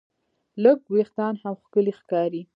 لږ وېښتيان هم ښکلي ښکاري.